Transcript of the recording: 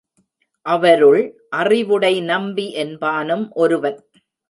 அவருள் அறிவுடை நம்பி என்பானும் ஒருவன்.